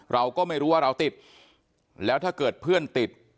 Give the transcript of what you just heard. เราก็ไม่รู้ว่าเราติดแล้วถ้าเกิดเพื่อนติด